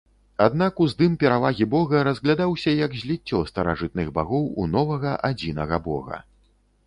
Аднак уздым перавагі бога разглядаўся як зліццё старажытных багоў у новага адзінага бога.